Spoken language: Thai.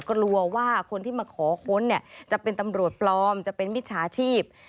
กลัวว่าคนที่มาขอค้นเนี่ยจะเป็นตำรวจปลอมจะเป็นมิจฉาชีพ